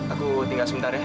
aku tinggal sebentar ya